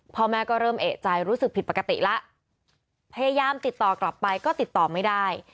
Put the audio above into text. พ่อแม่ก็เริ่มเอกใจรู้สึกผิดปกติแล้วพยายามติดต่อกลับไปก็ติดต่อไม่ได้